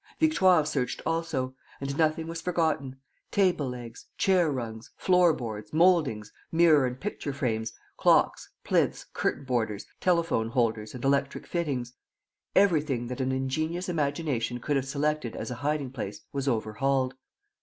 Victoire searched also. And nothing was forgotten. Table legs, chair rungs, floor boards, mouldings, mirror and picture frames, clocks, plinths, curtain borders, telephone holders and electric fittings: everything that an ingenious imagination could have selected as a hiding place was overhauled.